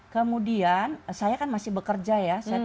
kemudian saya kan masih bekerja ya